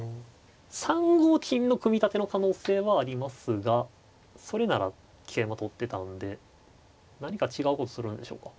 ３五金の組み立ての可能性はありますがそれなら桂馬取ってたんで何か違うことするんでしょうか。